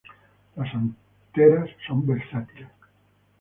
Las anteras son versátiles.